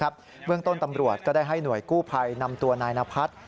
เบื้องต้นตำรวจก็ได้ให้หน่วยกู้ภัยนำตัวนายนพัฒน์